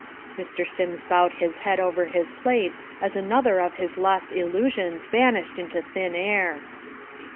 Mr. Sims bowed his head over his plate, as another of his lost illusions vanished into thin air.